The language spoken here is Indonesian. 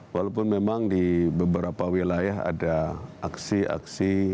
walaupun memang di beberapa wilayah ada aksi aksi